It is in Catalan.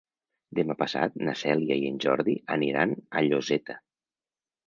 Demà passat na Cèlia i en Jordi aniran a Lloseta.